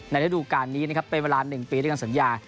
ระดูการนี้นะครับเป็นเวลา๑ปีด้วยกันสัญญา